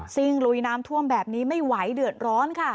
ลุยน้ำท่วมแบบนี้ไม่ไหวเดือดร้อนค่ะ